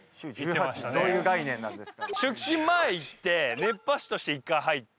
どういう概念なんですか？